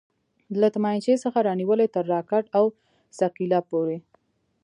له تمانچې څخه رانيولې تر راکټ او ثقيله پورې.